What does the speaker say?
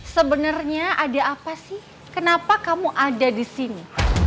sebenarnya ada apa sih kenapa kamu ada di sini